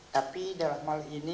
tapi dalam hal ini